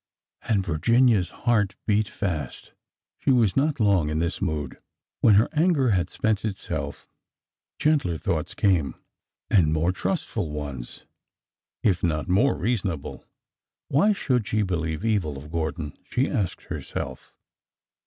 And Virginia's heart beat fast. She was not long in this mood. When her anger had spent itself gentler thoughts came, and more trustful ones, if not more reasonable. Why should she believe evil of Gordon, she asked herself.